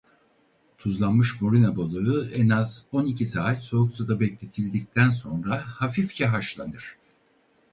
Tuzlanmış morina balığı en az on iki saat soğuk suda bekletildikten sonra hafifçe haşlanır.